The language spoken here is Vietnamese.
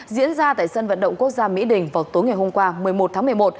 diễn ra tại sân vận động quốc gia mỹ đình vào tối ngày hôm qua một mươi một tháng một mươi một